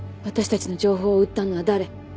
私たちの情報を売ったのは誰？